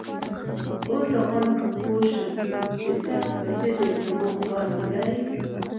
اوس زه غواړم پوی شم چې ته که چېرې زما غوره ملګری یې